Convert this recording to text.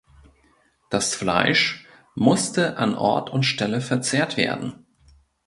Das Fleisch musste an Ort und Stelle verzehrt werden.